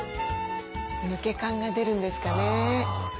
抜け感が出るんですかね。